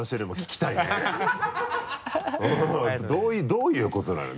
どういうことなのよ？